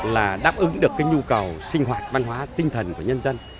là đáp ứng được cái nhu cầu sinh hoạt văn hóa tinh thần của nhân dân